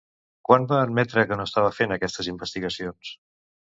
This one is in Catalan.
Quan va admetre que no estava fent aquestes investigacions?